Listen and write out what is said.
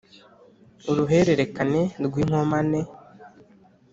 Uruherekane rw'inkomane